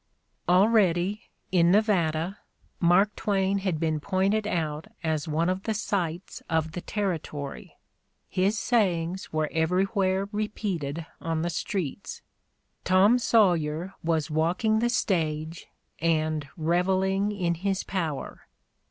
Already, in Nevada, Mark Twain had been pointed out as one of the sights of the territory ; his sayings were everywhere repeated on the streets. Tom Sawyer was walking the stage and "revelling in his power."